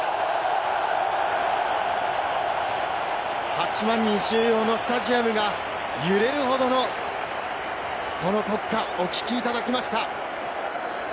８万人収容のスタジアムが揺れるほどのこの国歌、お聴きいただきました。